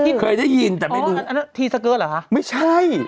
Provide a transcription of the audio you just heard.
ทีสเกอร์เหรอคะไม่ใช่